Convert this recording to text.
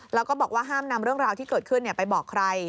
แล้วก็บอกว่าห้ามนำเรื่องราวที่เกิดขึ้นไปบอกใคร